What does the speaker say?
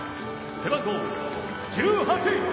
背番号１８！